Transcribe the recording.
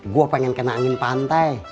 gue pengen kena angin pantai